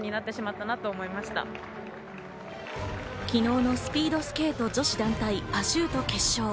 昨日のスピードスケート女子団体パシュート決勝。